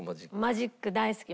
マジック大好き。